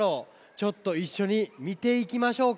ちょっといっしょにみていきましょうか。